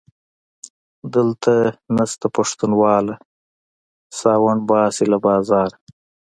دلته نسته پښتونواله - ساوڼ باسي له بازاره